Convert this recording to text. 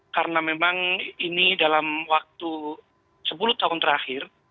karena memang ini dalam waktu sepuluh tahun terakhir